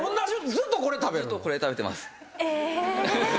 ずっとこれ食べてます。